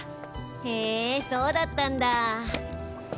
へぇそうだったんだ。